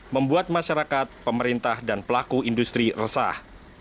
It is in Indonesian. membuat masyarakat pemerintah dan pelaku industri resah